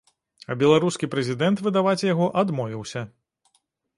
А беларускі прэзідэнт выдаваць яго адмовіўся.